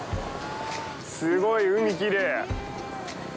すごい海きれい！